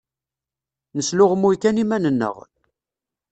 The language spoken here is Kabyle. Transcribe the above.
Nesluɣmuy kan iman-nneɣ.